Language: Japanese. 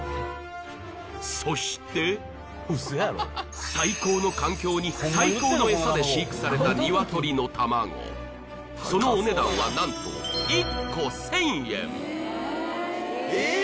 そして最高の環境に最高のエサで飼育されたニワトリの卵そのお値段は何と１個１０００円ええっ